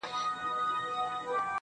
او د بشري حقونو ټول اصول